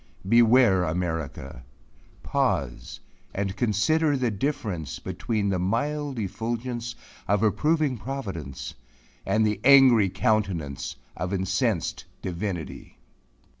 Beware America! pause and consider the difference between the mild effulgence of approving providence and the angry countenance of incensed divinity!